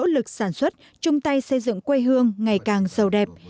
để tiếp tục nỗ lực sản xuất chung tay xây dựng quê hương ngày càng giàu đẹp